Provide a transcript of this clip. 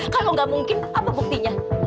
kalau nggak mungkin apa buktinya